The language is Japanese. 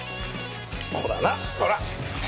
ほらなほら！